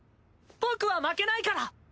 僕は負けないから！